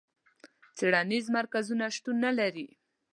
څېړنیز مرکزونه شتون نه لري.